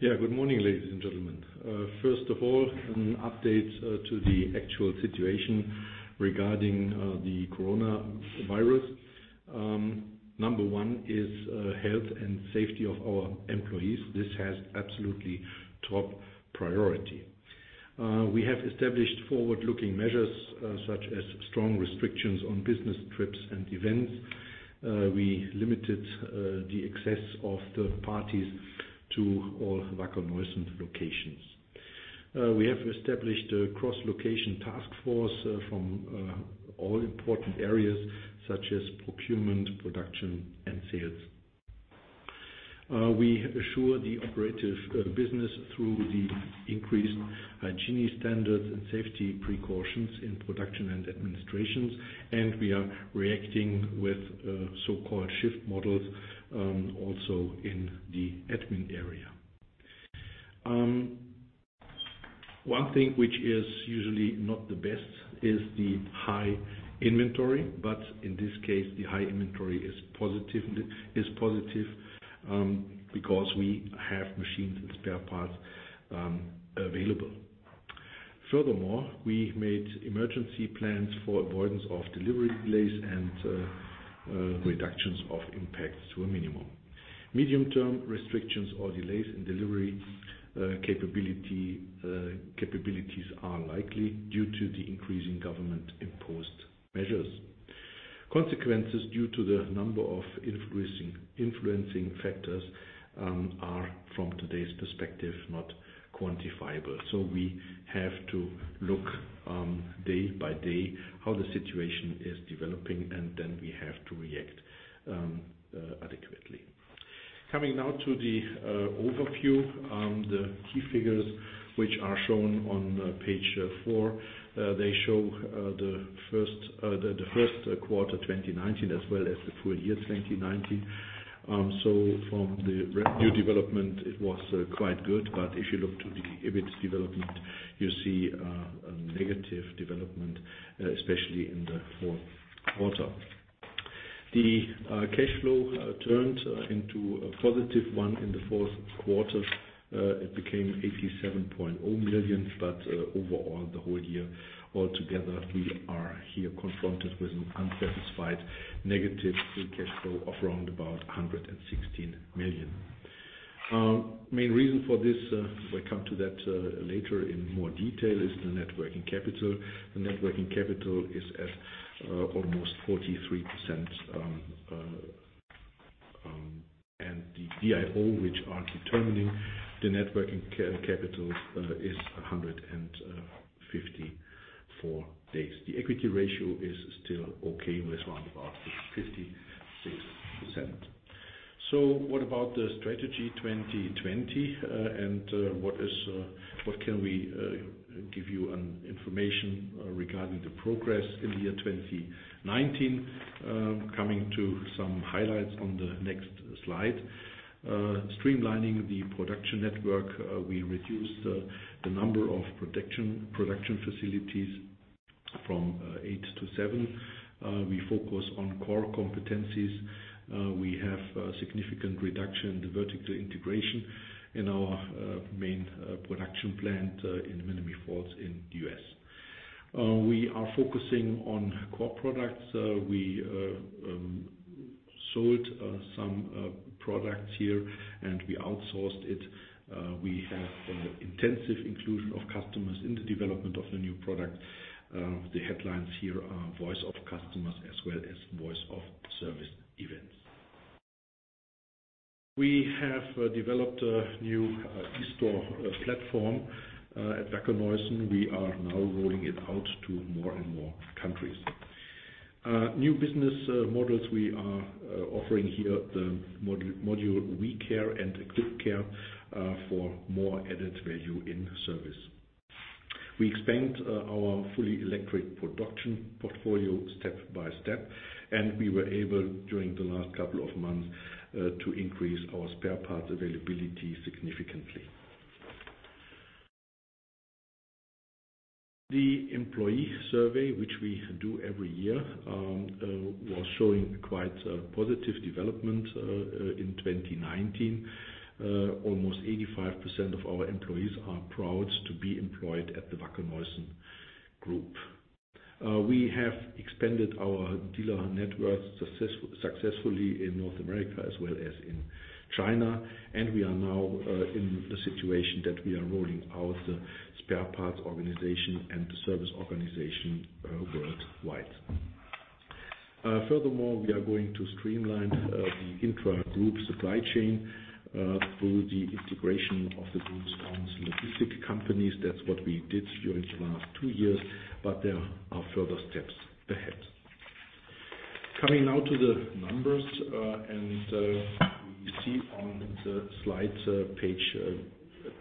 Yeah. Good morning, ladies and gentlemen. First of all, an update to the actual situation regarding the coronavirus. Number one is health and safety of our employees. This has absolutely top priority. We have established forward-looking measures such as strong restrictions on business trips and events. We limited the access of third parties to all Wacker Neuson locations. We have established a cross-location task force from all important areas such as procurement, production, and sales. We assure the operative business through the increased hygiene standards and safety precautions in production and administrations. We are reacting with so-called shift models also in the admin area. One thing which is usually not the best is the high inventory. In this case, the high inventory is positive because we have machines and spare parts available. Furthermore, we made emergency plans for avoidance of delivery delays and reductions of impacts to a minimum. Medium-term restrictions or delays in delivery capabilities are likely due to the increasing government-imposed measures. Consequences due to the number of influencing factors are, from today's perspective, not quantifiable. We have to look day by day how the situation is developing. Then we have to react adequately. Coming now to the overview. The key figures, which are shown on page four, they show the first quarter 2019 as well as the full year 2019. From the revenue development, it was quite good. If you look to the EBIT development, you see a negative development, especially in the fourth quarter. The cash flow turned into a positive one in the fourth quarter. It became 87.0 million. Overall, the whole year altogether, we are here confronted with an unsatisfied negative free cash flow of around about 116 million. Main reason for this, we will come to that later in more detail, is the net working capital. The net working capital is at almost 43%. The DIO, which are determining the net working capital, is 154 days. The equity ratio is still okay with around about 56%. What about the Strategy 2020? What can we give you an information regarding the progress in the year 2019? Coming to some highlights on the next slide. Streamlining the production network, we reduced the number of production facilities from eight to seven. We focus on core competencies. We have a significant reduction in the vertical integration in our main production plant in Menomonee Falls in the U.S. We are focusing on core products. We sold some products here. We outsourced it. We have intensive inclusion of customers in the development of the new product. The headlines here are voice of the customer as well as voice of service events. We have developed a new eStore platform at Wacker Neuson. We are now rolling it out to more and more countries. New business models we are offering here, the module WeCare and EquipCare for more added value in service. We expand our fully electric production portfolio step by step. We were able, during the last couple of months, to increase our spare parts availability significantly. The employee survey, which we do every year, was showing quite a positive development in 2019. Almost 85% of our employees are proud to be employed at the Wacker Neuson Group. We have expanded our dealer network successfully in North America as well as in China. We are now in the situation that we are rolling out the spare parts organization and the service organization worldwide. Furthermore, we are going to streamline the intra-group supply chain through the integration of the group's own logistic companies. That's what we did during the last two years, but there are further steps ahead. Coming now to the numbers, we see on the slides, page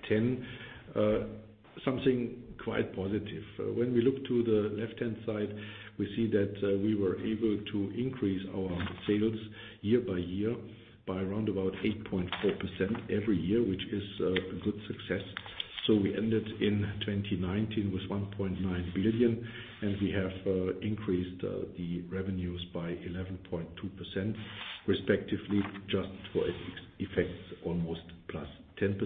10, something quite positive. When we look to the left-hand side, we see that we were able to increase our sales year by year by around about 8.4% every year, which is a good success. We ended in 2019 with 1.9 billion, and we have increased the revenues by 11.2%, respectively, just for effects, almost plus 10%.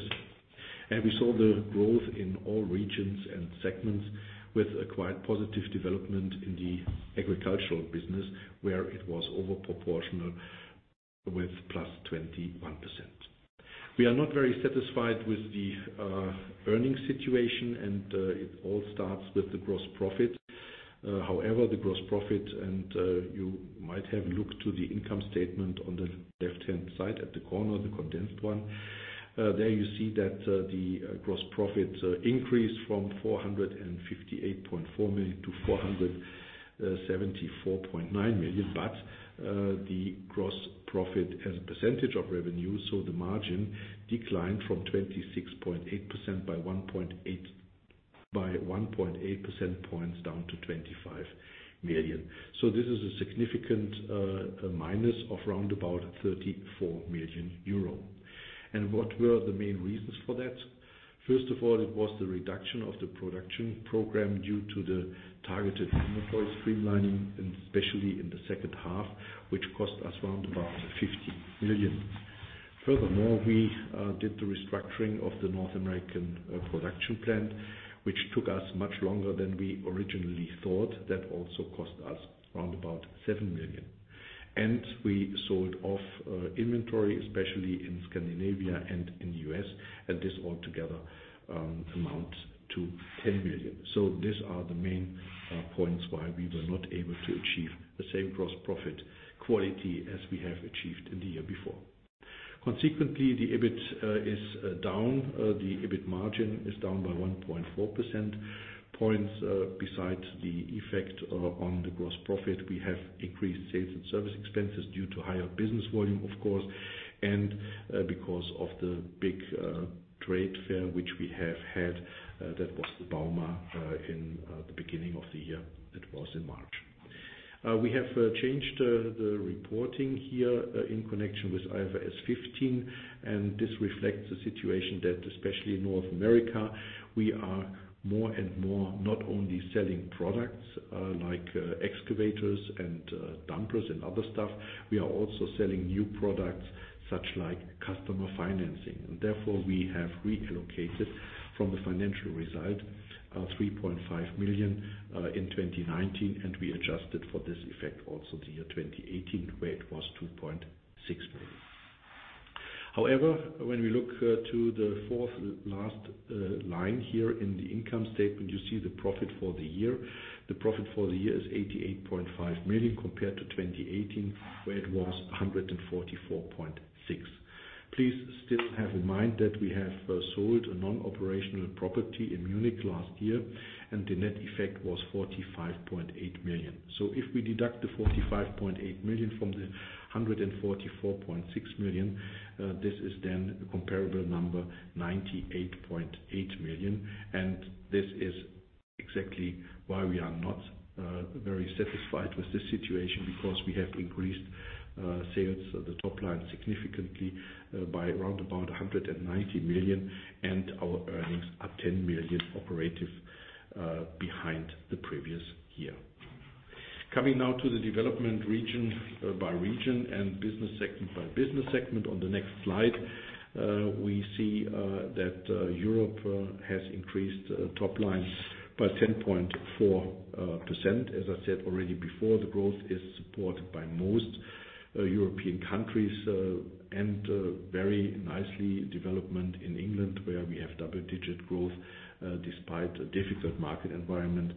We saw the growth in all regions and segments with a quite positive development in the agricultural business, where it was over proportional with plus 21%. We are not very satisfied with the earnings situation. It all starts with the gross profit. However, the gross profit, you might have looked to the income statement on the left-hand side at the corner, the condensed one. There you see that the gross profit increased from 458.4 million to 474.9 million. The gross profit as a percentage of revenue, so the margin, declined from 26.8% by 1.8 percentage points down to 25 million. This is a significant minus of around about 34 million euro. What were the main reasons for that? First of all, it was the reduction of the production program due to the targeted employee streamlining, especially in the second half, which cost us around about 50 million. Furthermore, we did the restructuring of the North American production plant, which took us much longer than we originally thought. That also cost us around about 7 million. We sold off inventory, especially in Scandinavia and in the U.S., and this altogether amounts to 10 million. These are the main points why we were not able to achieve the same gross profit quality as we have achieved in the year before. Consequently, the EBIT is down. The EBIT margin is down by 1.4 percentage points. Besides the effect on the gross profit, we have increased sales and service expenses due to higher business volume, of course, because of the big trade fair, which we have had. That was the Bauma in the beginning of the year. It was in March. We have changed the reporting here in connection with IFRS 15. This reflects the situation that, especially in North America, we are more and more not only selling products like excavators and dumpers and other stuff. We are also selling new products, such like customer financing. Therefore, we have relocated from the financial result 3.5 million in 2019. We adjusted for this effect also the year 2018, where it was 2.6 million. However, when we look to the fourth last line here in the income statement, you see the profit for the year. The profit for the year is 88.5 million compared to 2018, where it was 144.6 million. Please still have in mind that we have sold a non-operational property in Munich last year, and the net effect was 45.8 million. If we deduct 45.8 million from 144.6 million, this is then a comparable number, 98.8 million. This is exactly why we are not very satisfied with this situation, because we have increased sales, the top line, significantly by 190 million, and our earnings are 10 million operative behind the previous year. Coming now to the development region by region and business segment by business segment on the next slide. We see that Europe has increased top line by 10.4%. As I said already before, the growth is supported by most European countries and very nicely development in England, where we have double-digit growth despite a difficult market environment.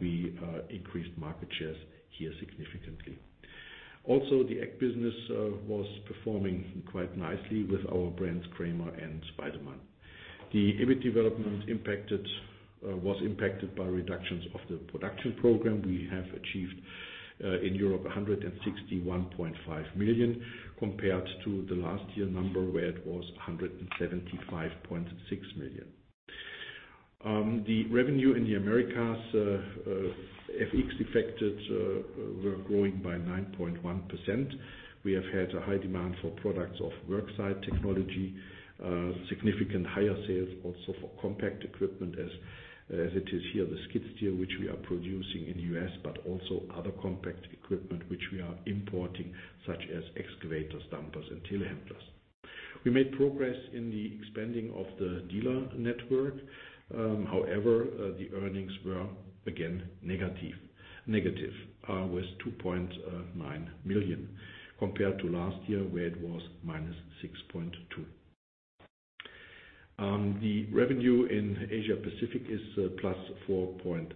We increased market shares here significantly. Also, the ag business was performing quite nicely with our brands, Kramer and Weidemann. The EBIT development was impacted by reductions of the production program. We have achieved in Europe 161.5 million compared to the last year number, where it was 175.6 million. The revenue in the Americas, FX affected, were growing by 9.1%. We have had a high demand for products of worksite technology, significant higher sales also for compact equipment as it is here, the skid steer, which we are producing in the U.S., but also other compact equipment which we are importing, such as excavators, dumpers, and telehandlers. We made progress in the expanding of the dealer network. However, the earnings were again negative with 2.9 million compared to last year where it was -6.2 million. The revenue in Asia Pacific is +4.7%,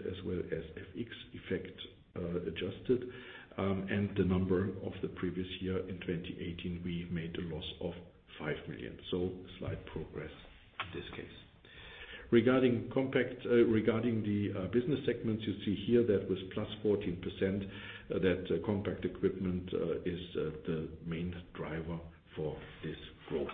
as well as FX effect adjusted. The number of the previous year in 2018, we made a loss of 5 million. Slight progress in this case. Regarding the business segments, you see here that was +14%, that compact equipment is the main driver for this growth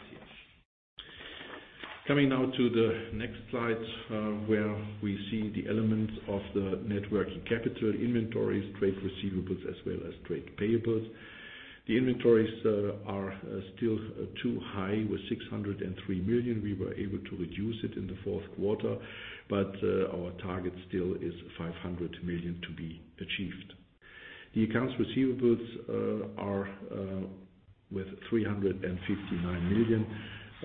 here. Coming now to the next slide, where we see the elements of the net working capital, inventories, trade receivables, as well as trade payables. The inventories are still too high with 603 million. We were able to reduce it in the fourth quarter, our target still is 500 million to be achieved. The accounts receivables are, with 359 million,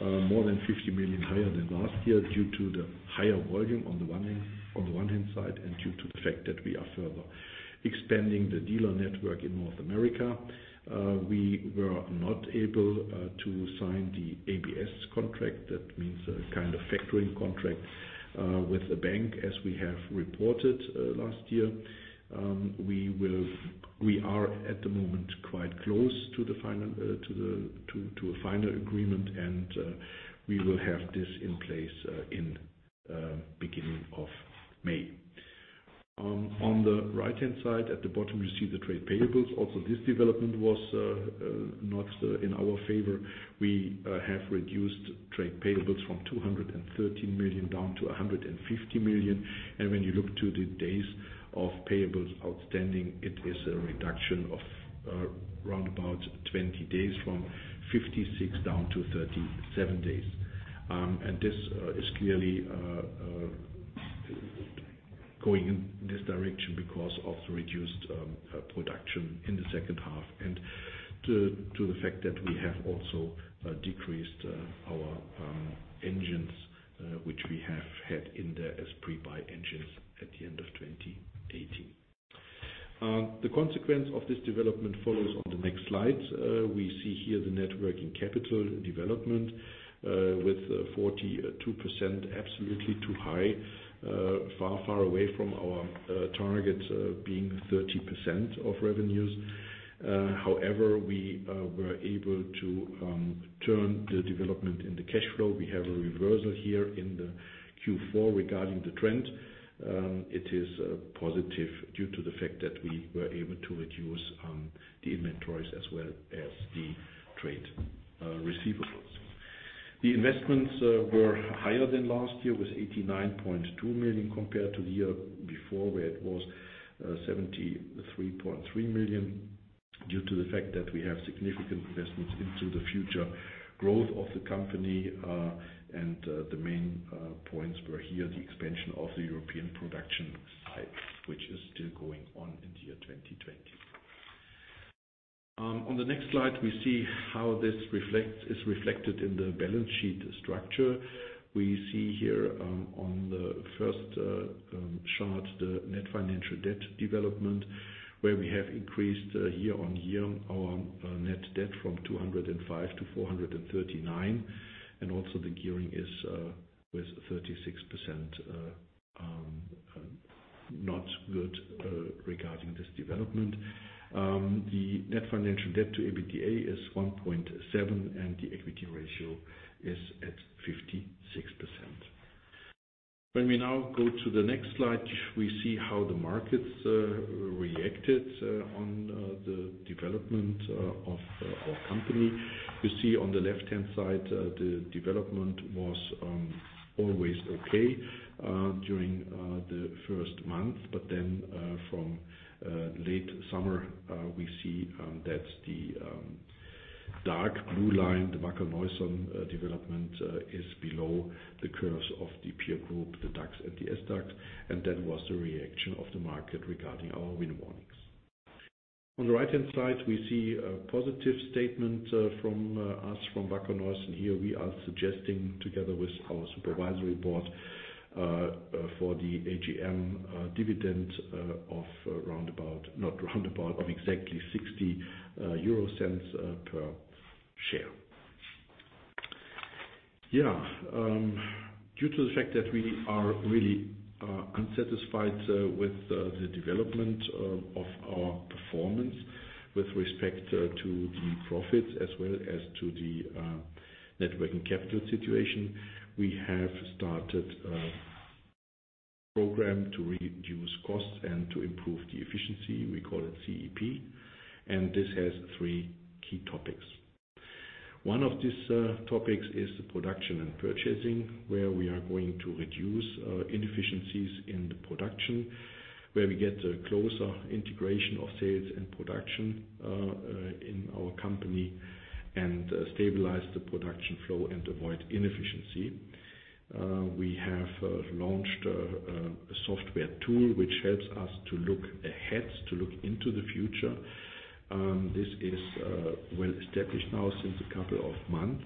more than 50 million higher than last year due to the higher volume on the one hand side and due to the fact that we are further expanding the dealer network in North America. We were not able to sign the ABS contract. That means a kind of factoring contract with a bank, as we have reported last year. We are at the moment quite close to a final agreement, we will have this in place in beginning of May. On the right-hand side at the bottom, you see the trade payables. This development was not in our favor. We have reduced trade payables from 213 million down to 150 million. When you look to the days of payables outstanding, it is a reduction of roundabout 20 days from 56 down to 37 days. This is clearly going in this direction because of the reduced production in the second half and due to the fact that we have also decreased our engines, which we have had in there as pre-buy engines at the end of 2018. The consequence of this development follows on the next slide. We see here the net working capital development with 42% absolutely too high, far away from our target being 30% of revenues. We were able to turn the development in the cash flow. We have a reversal here in the Q4 regarding the trend. It is positive due to the fact that we were able to reduce the inventories as well as the trade receivables. The investments were higher than last year with 89.2 million compared to the year before where it was 73.3 million due to the fact that we have significant investments into the future growth of the company. The main points were here the expansion of the European production site, which is still going on in 2020. On the next slide, we see how this is reflected in the balance sheet structure. We see here on the first chart the net financial debt development, where we have increased year-on-year our net debt from 205 to 439. The gearing is with 36% not good regarding this development. The net financial debt to EBITDA is 1.7 and the equity ratio is at 56%. We now go to the next slide, we see how the markets reacted on the development of our company. You see on the left-hand side, the development was always okay during the first month. From late summer, we see that the dark blue line, the Wacker Neuson development, is below the curves of the peer group, the DAX and the SDAX and that was the reaction of the market regarding our win warnings. On the right-hand side, we see a positive statement from us from Wacker Neuson here. We are suggesting together with our Supervisory Board for the AGM dividend of exactly 0.60 per share. Due to the fact that we are really unsatisfied with the development of our performance with respect to the profits as well as to the net working capital situation, we have started a program to reduce costs and to improve the efficiency. We call it CEP and this has three key topics. One of these topics is the production and purchasing, where we are going to reduce inefficiencies in the production, where we get a closer integration of sales and production in our company and stabilize the production flow and avoid inefficiency. We have launched a software tool which helps us to look ahead, to look into the future. This is well established now since a couple of months.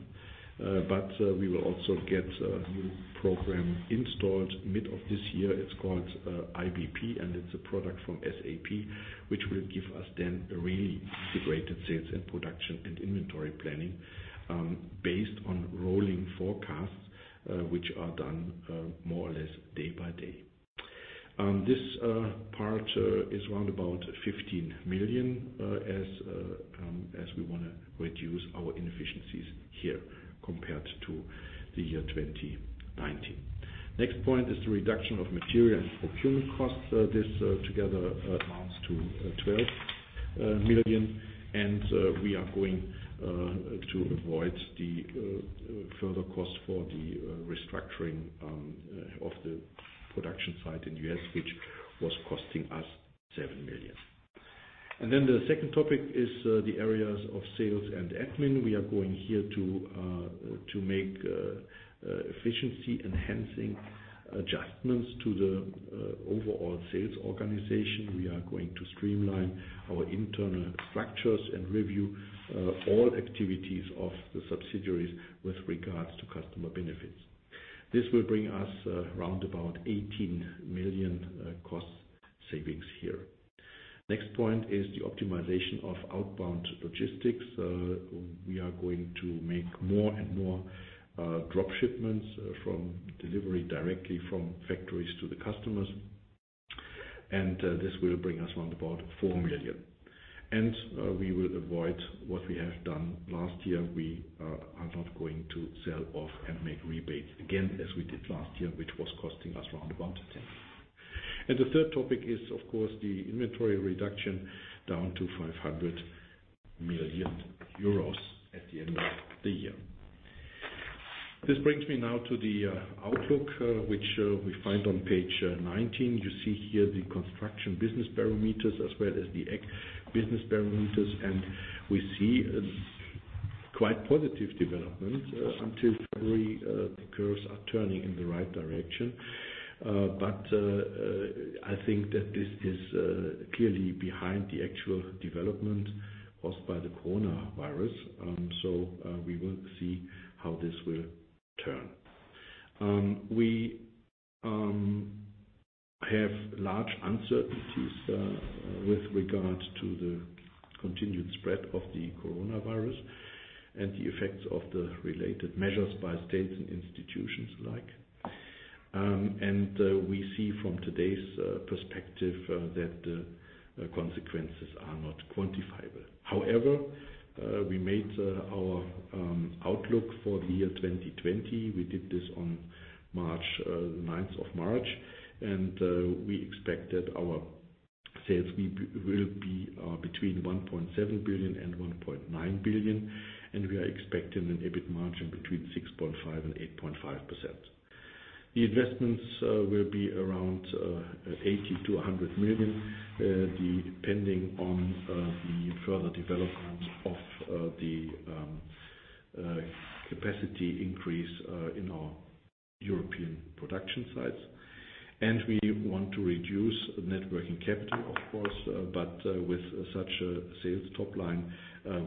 We will also get a new program installed mid of this year. It's called IBP and it's a product from SAP which will give us then a really integrated sales and production and inventory planning based on rolling forecasts, which are done more or less day by day. This part is roundabout 15 million as we want to reduce our inefficiencies here compared to 2019. Next point is the reduction of material and procurement costs. This together amounts to 12 million. We are going to avoid the further cost for the restructuring of the production site in U.S., which was costing us 7 million. The second topic is the areas of sales and admin. We are going here to make efficiency-enhancing adjustments to the overall sales organization. We are going to streamline our internal structures and review all activities of the subsidiaries with regards to customer benefits. This will bring us around about 18 million cost savings here. Next point is the optimization of outbound logistics. We are going to make more and more drop shipments from delivery directly from factories to the customers. This will bring us around about 4 million. We will avoid what we have done last year. We are not going to sell off and make rebates again as we did last year, which was costing us around about 10 million. The third topic is, of course, the inventory reduction down to 500 million euros at the end of the year. This brings me now to the outlook, which we find on page 19. You see here the construction business barometers as well as the business barometers. We see a quite positive development. Until February, the curves are turning in the right direction. I think that this is clearly behind the actual development caused by the coronavirus. We will see how this will turn. We have large uncertainties with regard to the continued spread of the coronavirus and the effects of the related measures by states and institutions alike. We see from today's perspective that the consequences are not quantifiable. However, we made our outlook for the year 2020. We did this on the 9th of March. We expected our sales will be between 1.7 billion and 1.9 billion. We are expecting an EBIT margin between 6.5% and 8.5%. The investments will be around 80 million to 100 million, depending on the further development of the capacity increase in our European production sites. We want to reduce net working capital, of course, but with such a sales top line,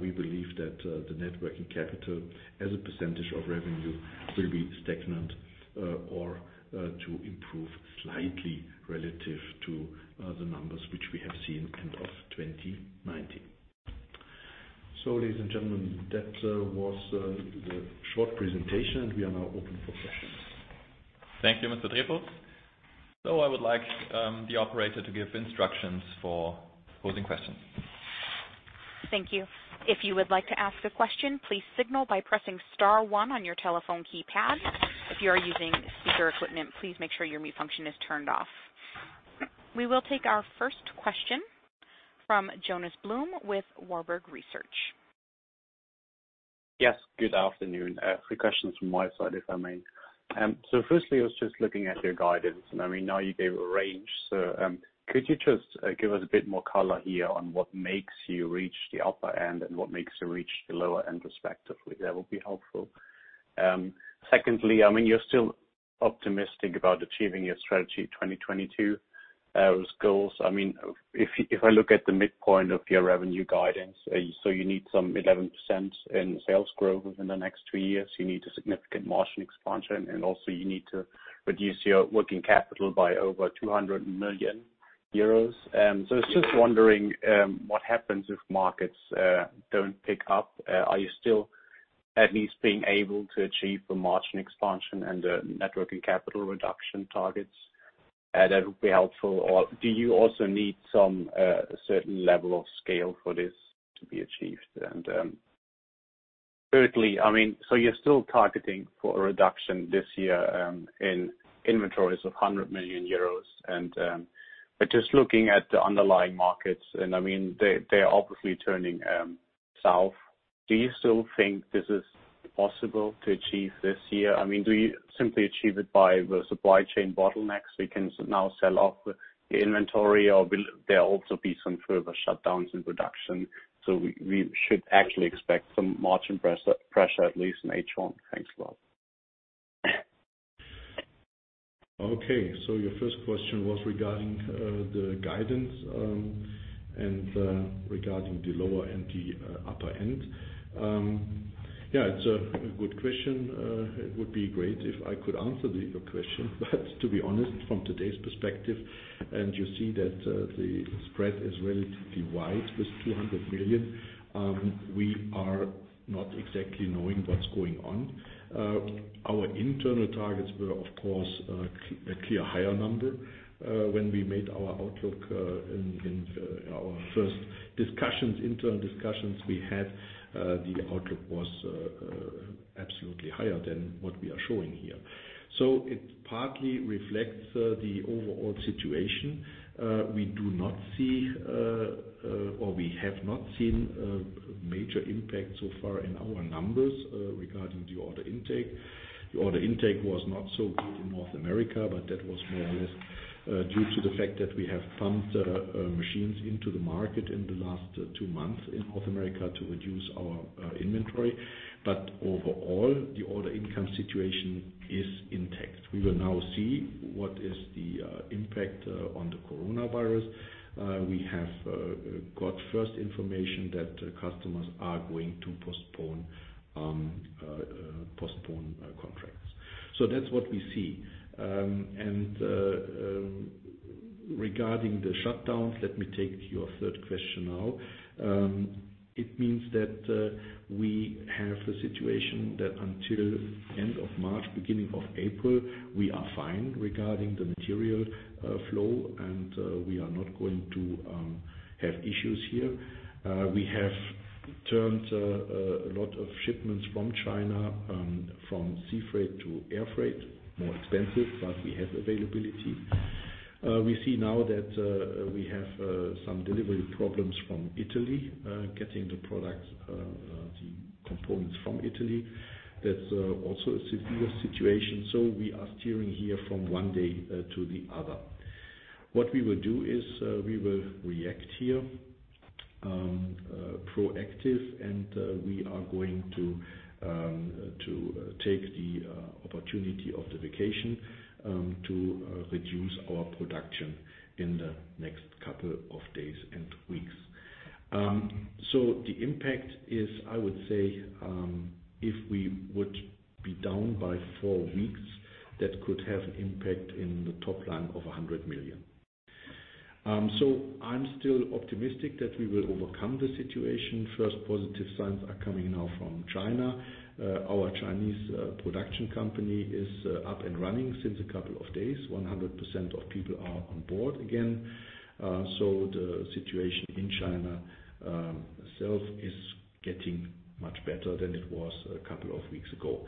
we believe that the net working capital as a percentage of revenue will be stagnant or to improve slightly relative to the numbers which we have seen end of 2019. Ladies and gentlemen, that was the short presentation. We are now open for questions. Thank you, Mr. Trepels. I would like the operator to give instructions for posing questions. Thank you. If you would like to ask a question, please signal by pressing star one on your telephone keypad. If you are using speaker equipment, please make sure your mute function is turned off. We will take our first question from Jonas Blum with Warburg Research. Yes, good afternoon. Three questions from my side, if I may. Firstly, I was just looking at your guidance, and I mean, now you gave a range. Could you just give us a bit more color here on what makes you reach the upper end and what makes you reach the lower end respectively? That would be helpful. Secondly, you're still optimistic about achieving your Strategy 2022 goals. If I look at the midpoint of your revenue guidance, you need some 11% in sales growth within the next two years. You need a significant margin expansion, and also you need to reduce your working capital by over 200 million euros. I was just wondering what happens if markets don't pick up. Are you still at least being able to achieve the margin expansion and the net working capital reduction targets? That would be helpful. Do you also need some certain level of scale for this to be achieved? Thirdly, you're still targeting for a reduction this year in inventories of 100 million euros. Just looking at the underlying markets, and they're obviously turning south. Do you still think this is possible to achieve this year? Do you simply achieve it by the supply chain bottlenecks, we can now sell off the inventory, or will there also be some further shutdowns in production, we should actually expect some margin pressure, at least in H1? Thanks a lot. Okay. Your first question was regarding the guidance and regarding the lower and the upper end. Yeah, it's a good question. It would be great if I could answer your question, to be honest, from today's perspective, and you see that the spread is relatively wide with 200 million. We are not exactly knowing what's going on. Our internal targets were, of course, a clear higher number. When we made our outlook in our first internal discussions we had, the outlook was absolutely higher than what we are showing here. It partly reflects the overall situation. We do not see or we have not seen a major impact so far in our numbers regarding the order intake. The order intake was not so good in North America, but that was more or less due to the fact that we have pumped machines into the market in the last two months in North America to reduce our inventory. Overall, the order income situation is intact. We will now see what is the impact on the coronavirus. We have got first information that customers are going to postpone contracts. That's what we see. Regarding the shutdowns, let me take your third question now. It means that we have a situation that until end of March, beginning of April, we are fine regarding the material flow, and we are not going to have issues here. We have turned a lot of shipments from China, from sea freight to air freight. More expensive, but we have availability. We see now that we have some delivery problems from Italy getting the components from Italy. That's also a severe situation. We are steering here from one day to the other. What we will do is, we will react here proactive, and we are going to take the opportunity of the vacation to reduce our production in the next couple of days and weeks. The impact is, I would say, if we would be down by four weeks, that could have an impact in the top line of 100 million. I'm still optimistic that we will overcome the situation. First positive signs are coming now from China. Our Chinese production company is up and running since a couple of days. 100% of people are on board again. The situation in China itself is getting much better than it was a couple of weeks ago.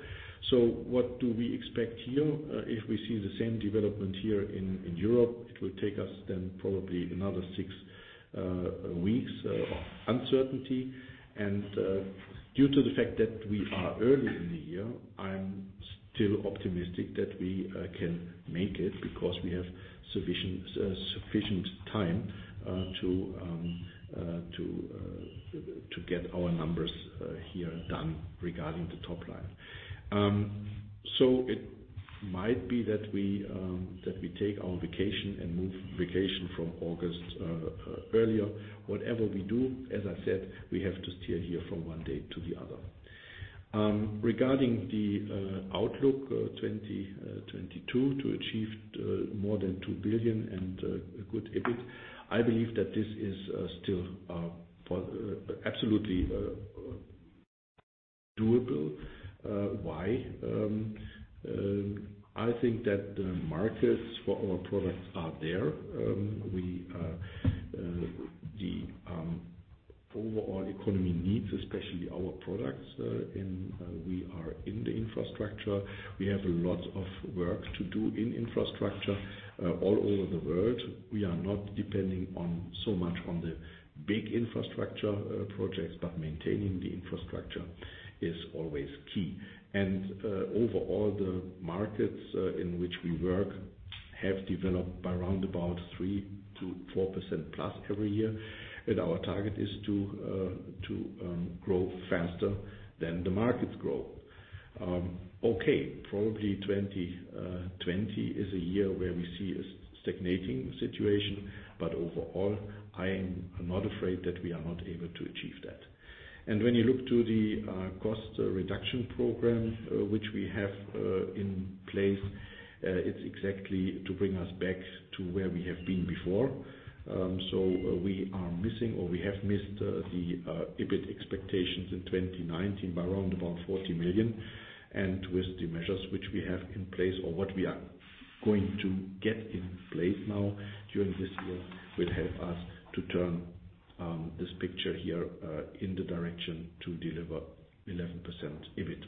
What do we expect here? If we see the same development here in Europe, it will take us then probably another six weeks of uncertainty. Due to the fact that we are early in the year, I am still optimistic that we can make it, because we have sufficient time to get our numbers here done regarding the top line. It might be that we take our vacation and move vacation from August earlier. Whatever we do, as I said, we have to steer here from one day to the other. Regarding the outlook 2022, to achieve more than 2 billion and a good EBIT, I believe that this is still absolutely doable. Why? I think that the markets for our products are there. The overall economy needs, especially our products, and we are in the infrastructure. We have a lot of work to do in infrastructure all over the world. We are not depending so much on the big infrastructure projects, but maintaining the infrastructure is always key. Overall, the markets in which we work have developed by around about 3%-4% plus every year. Our target is to grow faster than the markets grow. Okay. Probably 2020 is a year where we see a stagnating situation, but overall, I am not afraid that we are not able to achieve that. When you look to the cost reduction program, which we have in place, it's exactly to bring us back to where we have been before. We are missing, or we have missed the EBIT expectations in 2019 by around about 40 million. With the measures which we have in place or what we are going to get in place now during this year will help us to turn this picture here in the direction to deliver 11% EBIT.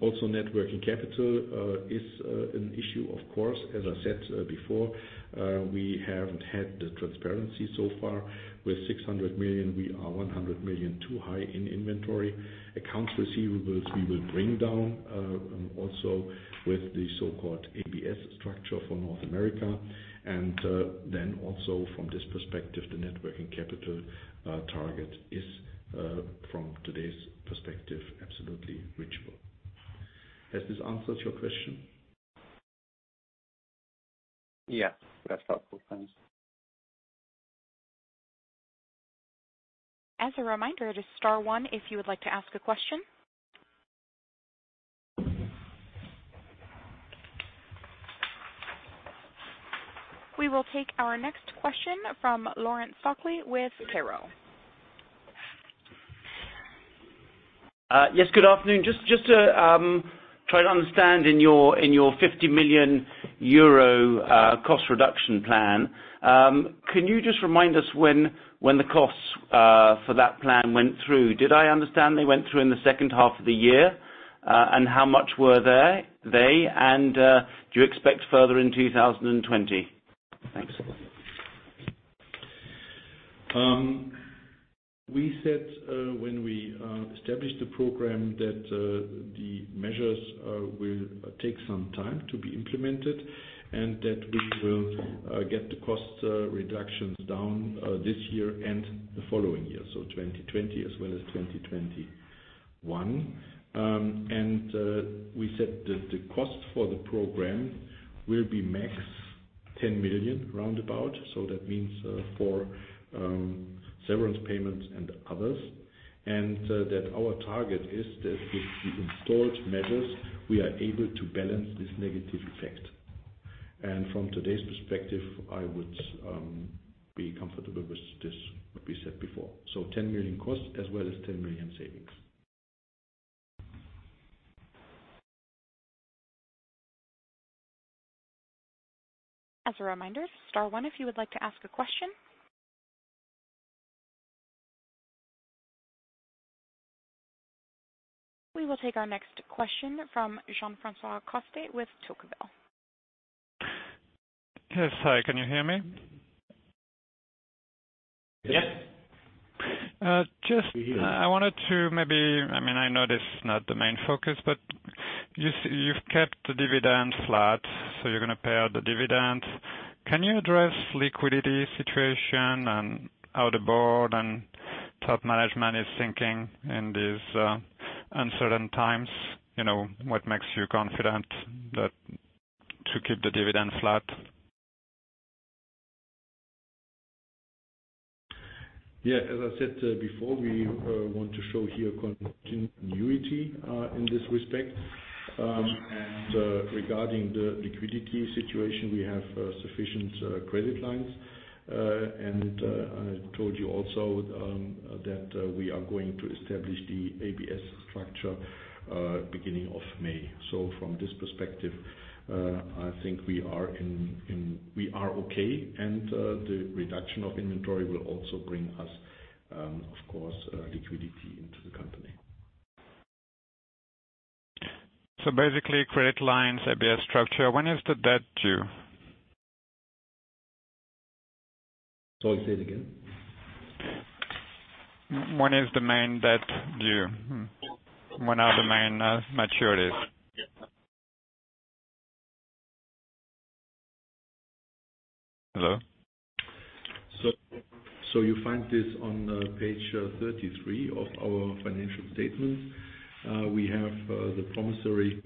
Also net working capital is an issue, of course. As I said before, we haven't had the transparency so far. With 600 million, we are 100 million too high in inventory. Accounts receivables we will bring down also with the so-called ABS structure for North America. Then also from this perspective, the net working capital target is from today's perspective, absolutely reachable. Has this answered your question? Yes. That's helpful. Thanks. As a reminder, it is star one if you would like to ask a question. We will take our next question from Laurence Focke with Kepler Cheuvreux. Yes, good afternoon. Just to try to understand in your 50 million euro cost reduction plan, can you just remind us when the costs for that plan went through? Did I understand they went through in the second half of the year? How much were they? Do you expect further in 2020? We said when we established the program that the measures will take some time to be implemented and that we will get the cost reductions down this year and the following year, so 2020 as well as 2021. We said that the cost for the program will be max 10 million roundabout. That means for severance payments and others, and that our target is that with the installed measures, we are able to balance this negative effect. From today's perspective, I would be comfortable with this, what we said before. 10 million costs as well as 10 million savings. As a reminder, star one if you would like to ask a question. We will take our next question from Jean-Francois Coste with Tocqueville. Yes. Hi, can you hear me? Yes. Just- We hear you. I wanted to maybe, I know this is not the main focus, you've kept the dividend flat, you're going to pay out the dividend. Can you address liquidity situation and how the board and top management is thinking in these uncertain times? What makes you confident to keep the dividend flat? Yeah. As I said before, we want to show here continuity, in this respect. Regarding the liquidity situation, we have sufficient credit lines. I told you also that we are going to establish the ABS structure beginning of May. From this perspective, I think we are okay, the reduction of inventory will also bring us, of course, liquidity into the company. Basically credit lines, ABS structure. When is the debt due? Sorry, say it again. When is the main debt due? When are the main maturities? Hello? You find this on page 33 of our financial statements. We have the promissory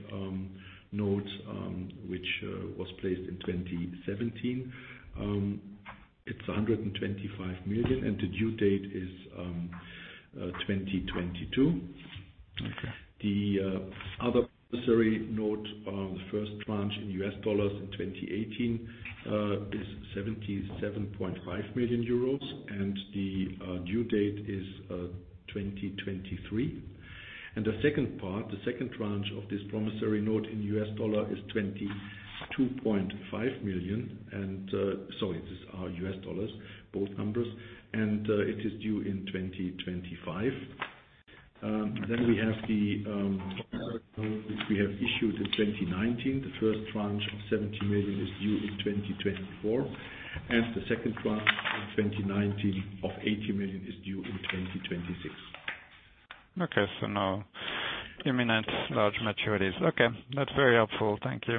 note, which was placed in 2017. It's 125 million, and the due date is 2022. Okay. The other promissory note on the first tranche in US dollars in 2018, is 77.5 million euros. The due date is 2023. The second part, the second tranche of this promissory note in US dollar is $22.5 million. Sorry, these are US dollars, both numbers, and it is due in 2025. We have the notes which we have issued in 2019. The first tranche of 70 million is due in 2024, and the second tranche in 2019 of 80 million is due in 2026. Okay, no imminent large maturities. Okay. That's very helpful. Thank you.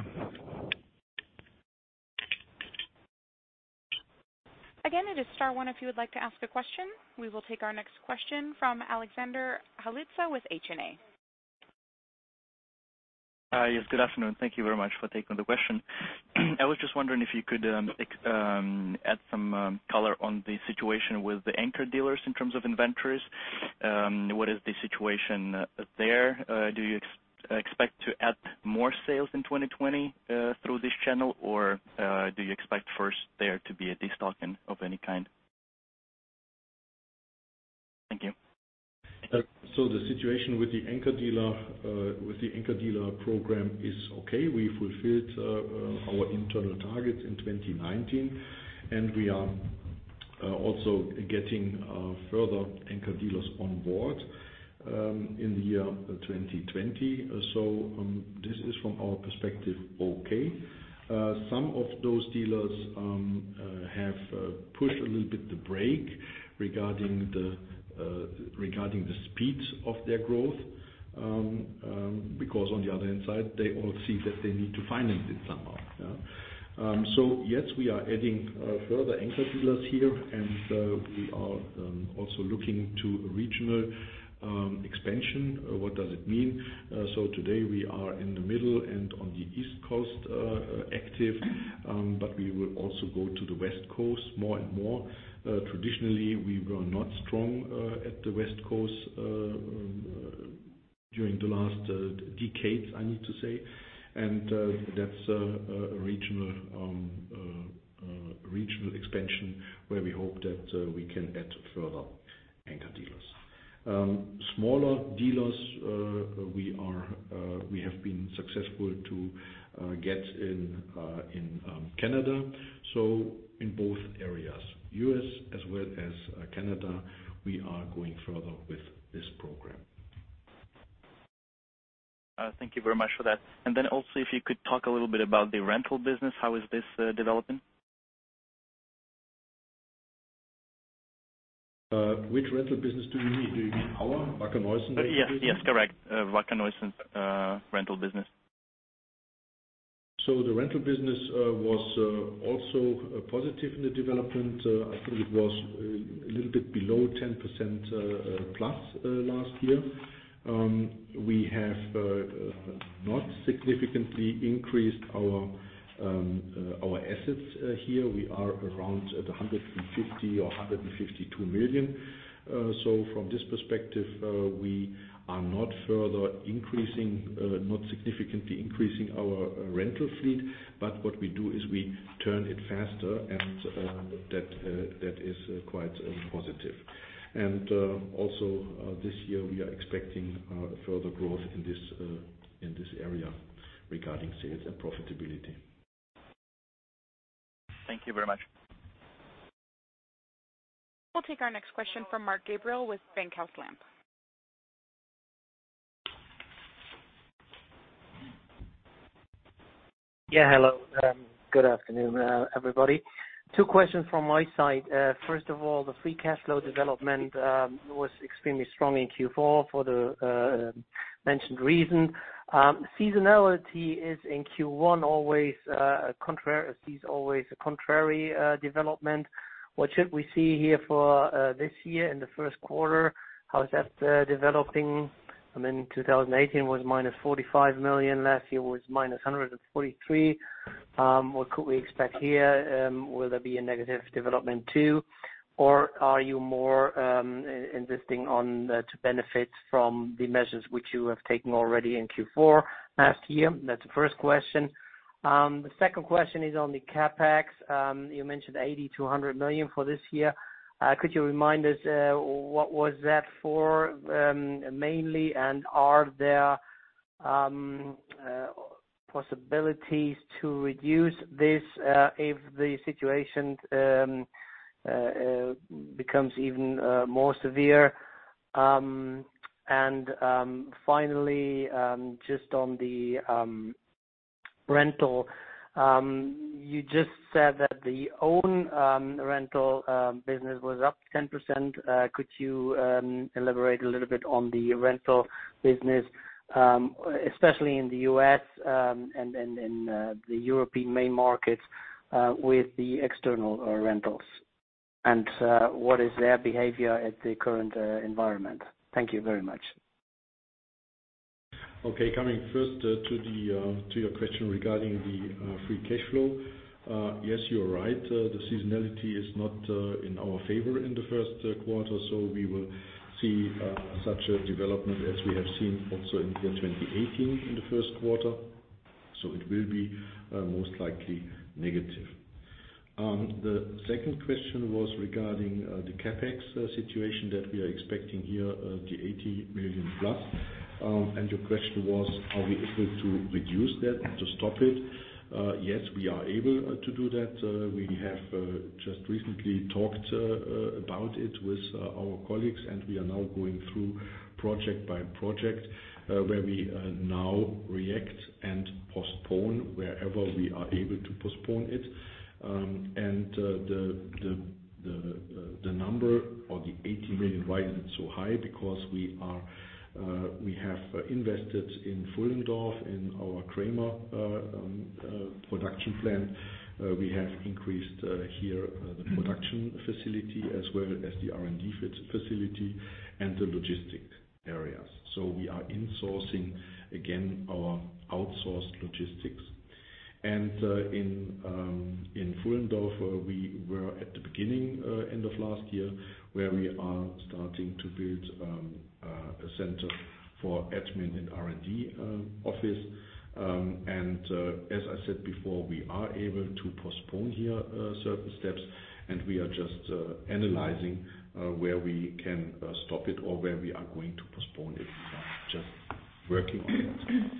Again, it is star one if you would like to ask a question. We will take our next question from Alexander Holzhauer with HNA. Yes. Good afternoon. Thank you very much for taking the question. I was just wondering if you could add some color on the situation with the anchor dealers in terms of inventories. What is the situation there? Do you expect to add more sales in 2020 through this channel, or do you expect first there to be a destocking of any kind? Thank you. The situation with the anchor dealer program is okay. We fulfilled our internal targets in 2019, and we are also getting further anchor dealers on board in the year 2020. This is from our perspective, okay. Some of those dealers have pushed a little bit the brake regarding the speed of their growth, because on the other hand side, they all see that they need to finance it somehow. Yes, we are adding further anchor dealers here, and we are also looking to regional expansion. What does it mean? Today we are in the middle and on the East Coast, active, but we will also go to the West Coast more and more. Traditionally, we were not strong at the West Coast during the last decades, I need to say. That's a regional expansion where we hope that we can add further anchor dealers. Smaller dealers, we have been successful to get in Canada. In both areas, U.S. as well as Canada, we are going further with this program. Thank you very much for that. If you could talk a little bit about the rental business, how is this developing? Which rental business do you mean? Do you mean our Wacker Neuson rental business? Yes, correct. Wacker Neuson rental business. The rental business was also positive in the development. I think it was a little bit below 10% plus last year. We have not significantly increased our assets here. We are around at 150 million or 152 million. From this perspective, we are not significantly increasing our rental fleet. What we do is we turn it faster, and that is quite positive. This year, we are expecting further growth in this area regarding sales and profitability. Thank you very much. We'll take our next question from Marc Gabriel with Bankhaus Lampe. Yeah. Hello. Good afternoon, everybody. Two questions from my side. First of all, the free cash flow development was extremely strong in Q4 for the mentioned reason. Seasonality is in Q1 always a contrary development. What should we see here for this year in the first quarter? How is that developing? I mean 2018 was minus 45 million. Last year was minus 143. What could we expect here? Will there be a negative development too? Are you more insisting on to benefit from the measures which you have taken already in Q4 last year? That's the first question. The second question is on the CapEx. You mentioned 80 million-100 million for this year. Could you remind us what was that for mainly? Are there possibilities to reduce this if the situation becomes even more severe? Finally, just on the rental. You just said that the own rental business was up 10%. Could you elaborate a little bit on the rental business, especially in the U.S. and in the European main markets with the external rentals? What is their behavior at the current environment? Thank you very much. Coming first to your question regarding the free cash flow. Yes, you are right. The seasonality is not in our favor in the first quarter. We will see such a development as we have seen also in 2018 in the first quarter. It will be most likely negative. The second question was regarding the CapEx situation that we are expecting here, the 80 million plus. Your question was, are we able to reduce that to stop it? Yes, we are able to do that. We have just recently talked about it with our colleagues. We are now going through project by project, where we now react and postpone wherever we are able to postpone it. The number or the EUR 80 million, why is it so high? Because we have invested in Pfullendorf, in our Kramer production plant. We have increased here the production facility as well as the R&D facility and the logistics areas. We are insourcing again our outsourced logistics. In Pfullendorf, we were at the beginning end of last year, where we are starting to build a center for admin and R&D office. As I said before, we are able to postpone here certain steps. We are just analyzing where we can stop it or where we are going to postpone it. We are just working on it.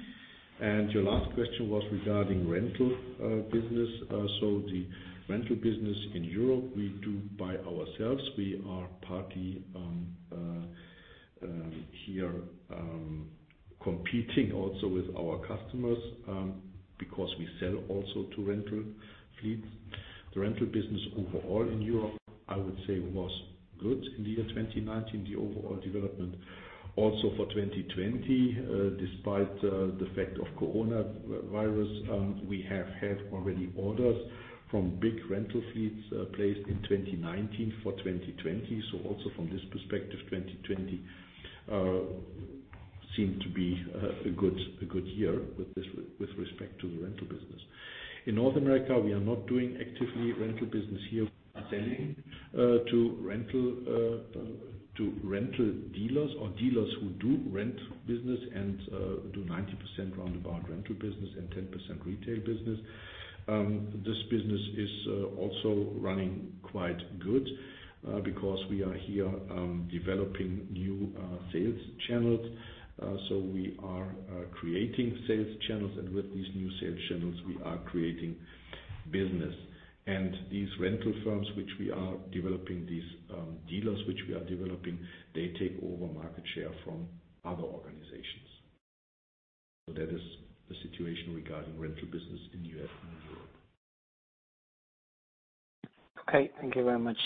Your last question was regarding rental business. The rental business in Europe, we do by ourselves. We are partly here competing also with our customers because we sell also to rental fleets. The rental business overall in Europe, I would say, was good in 2019. The overall development also for 2020. Despite the fact of coronavirus, we have had already orders from big rental fleets placed in 2019 for 2020. Also from this perspective, 2020 seemed to be a good year with respect to the rental business. In North America, we are not doing actively rental business here. We are selling to rental dealers or dealers who do rent business and do 90% roundabout rental business and 10% retail business. This business is also running quite good because we are here developing new sales channels. We are creating sales channels. With these new sales channels, we are creating business. These rental firms which we are developing, these dealers which we are developing, they take over market share from other organizations. That is the situation regarding rental business in the U.S. and Europe. Thank you very much.